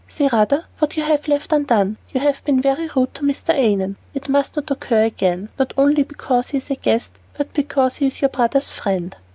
"Say rather, what have you left undone. You have been very rude to Mr. Annon. It must not occur again; not only because he is a guest, but because he is your brother's friend."